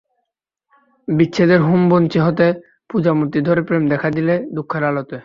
বিচ্ছেদের হোমবহ্নি হতে পূজামূর্তি ধরি প্রেম দেখা দিল দুঃখের আলোতে।